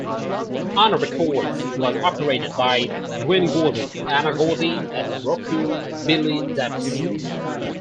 Anna Records was operated by Gwen Gordy, Anna Gordy and Roquel "Billy" Davis.